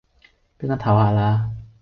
俾我唞吓啦